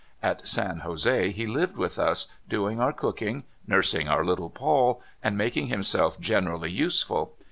At San Jose he lived with us, doing our cooking, nursing our little Paul, and making himself generally useful.